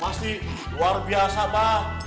pasti luar biasa mbah